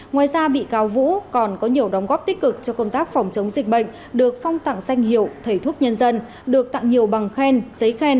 ngoài ra bị cáo vũ còn có nhiều đóng góp tích cực cho công tác phòng chống dịch bệnh được phong tặng danh hiệu thầy thuốc nhân dân được tặng nhiều bằng khen giấy khen